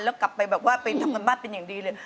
แล้วกลับไปแบบว่าไปทำการบ้านเป็นอย่างดีเลย